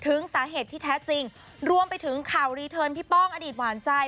สาเหตุที่แท้จริงรวมไปถึงข่าวรีเทิร์นพี่ป้องอดีตหวานใจ